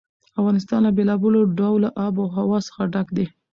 افغانستان له بېلابېلو ډوله آب وهوا څخه ډک دی.